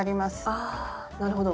あなるほど。